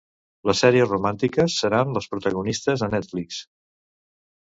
Les sèries romàntiques seran les protagonistes a Netflix.